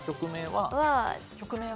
曲名は。